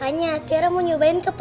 makanya tiara mau nyobain ke papa